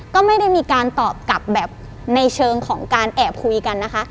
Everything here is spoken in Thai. ก็ไม่ได้มีการตอบกลับแบบในเชิงของการแอบคุยกันนะคะ